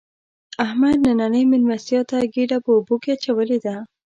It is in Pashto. احمد نننۍ مېلمستیا ته ګېډه په اوبو کې اچولې ده.